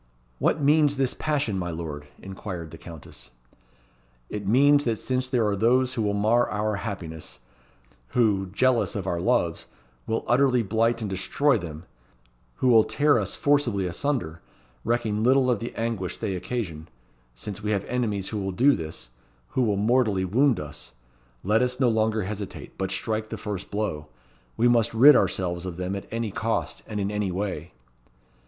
"What means this passion, my Lord?" inquired the Countess. "It means that since there are those who will mar our happiness; who, jealous of our loves, will utterly blight and destroy them; who will tear us forcibly asunder, recking little of the anguish they occasion: since we have enemies who will do this; who will mortally wound us let us no longer hesitate, but strike the first blow. We must rid ourselves of them at any cost, and in any way."